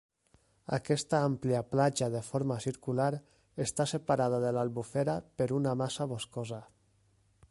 Aquesta àmplia platja de forma circular està separada de l'albufera per una massa boscosa.